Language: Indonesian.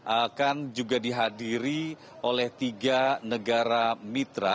akan juga dihadiri oleh tiga negara mitra